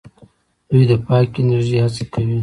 دوی د پاکې انرژۍ هڅه کوي.